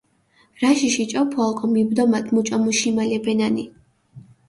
რაშიში ჭოფუა ოკო მიბდომათ მუჭო მუ შიმალებენანი.